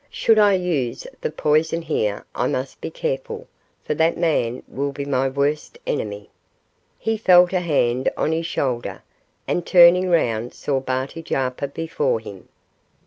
Should I use the poison here I must be careful, for that man will be my worst enemy.' He felt a hand on his shoulder, and turning round saw Barty Jarper before him.